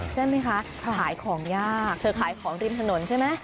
ใช่ไหมคะขายของยากเธอขายของริมถนนใช่ไหม